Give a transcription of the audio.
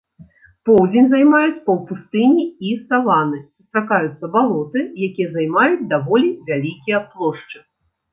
Поўдзень займаюць паўпустыні і саваны, сустракаюцца балоты, якія займаюць даволі вялікія плошчы.